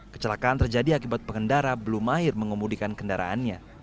kecelakaan terjadi akibat pengendara belum akhir mengemudikan kendaraannya